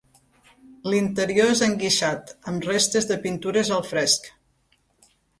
L'interior és enguixat, amb restes de pintures al fresc.